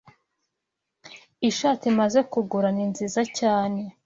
Ishati maze kugura ni nziza cyane.